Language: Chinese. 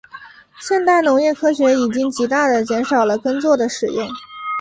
现代农业科学已经极大地减少了耕作的使用。